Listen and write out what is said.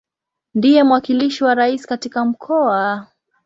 Ndiye mwakilishi wa Rais katika Mkoa.